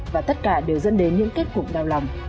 và tất cả đều dẫn đến những kết cục đau lòng